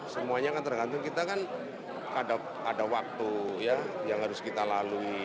semuanya kan tergantung kita kan ada waktu yang harus kita lalui